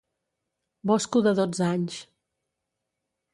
Bosco de dotze anys.